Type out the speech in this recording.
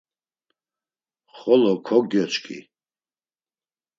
Xolo kogyoç̌ǩi.